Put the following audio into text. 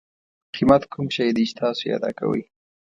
قیمت کوم شی دی چې تاسو یې ادا کوئ.